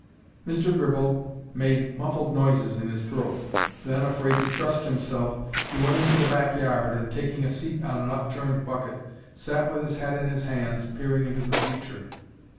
Mr. Gribble made muffled noises in his throat; then, afraid to trust himself, he went into the back yard and, taking a seat on an upturned bucket, sat with his head in his hands peering into the future.